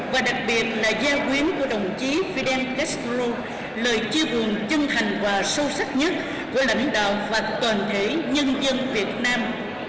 và đặc biệt là giao quyến của đồng chí fidel castro lời chia buồn chân thành và sâu sắc nhất của lãnh đạo và toàn thể nhân dân việt nam